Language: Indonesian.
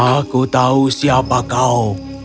aku tahu siapa kau